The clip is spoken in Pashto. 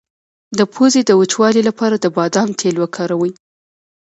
د پوزې د وچوالي لپاره د بادام تېل وکاروئ